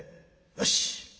「よし！